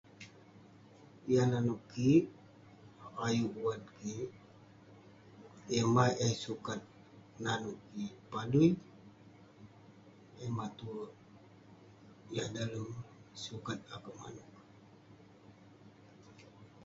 Yah nanouk kik, ayuk wat kik. Yah mah eh sukat nanouk kik padui. Emah tue yah dalem sukat akouk manouk.